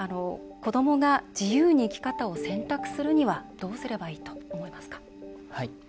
子どもが自由に生き方を選択するにはどうすればいいと思いますか？